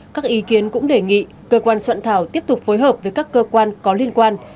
các ý kiến cũng đề nghị cơ quan soạn thảo tiếp tục phối hợp với các cơ quan có liên quan